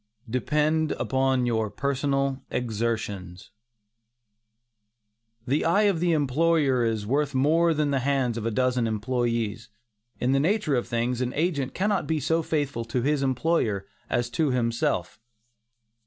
DEPEND UPON YOUR OWN PERSONAL EXERTIONS. The eye of the employer is often worth more than the hands of a dozen employees. In the nature of things, an agent cannot be so faithful to his employer as to himself.